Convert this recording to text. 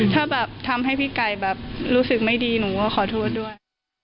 ถ้าแบบทำให้พี่ไก่แบบรู้สึกไม่ดีหนูก็ขอโทษด้วย